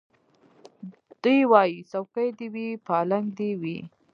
دی وايي څوکۍ دي وي پالنګ دي وي